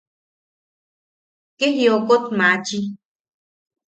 ¡Ke jiokot machi!